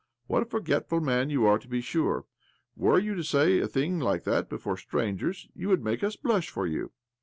What a forgetful man you are, to be sure ! Were you to say a thing like that before strangers, you would make us blush for you.